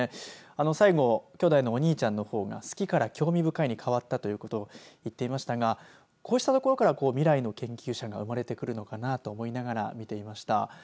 最後、兄弟のお兄ちゃんの方が好きから興味深いに変わったということを言っていましたがこうしたところから未来の研究者が生まれてくるのかなと思いながら見ていました。